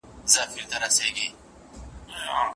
نو زده کوونکي لېواله کېږي.